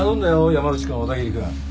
山内君小田切君。